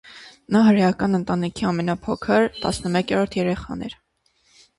Նա հրեական ընտանիքի ամենափոքր, տասնմեկերորդ երեխան էր։